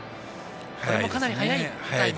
これもかなり早いタイム。